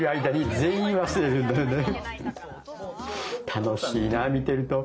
楽しいな見てると。